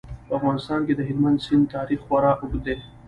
په افغانستان کې د هلمند سیند تاریخ خورا اوږد دی.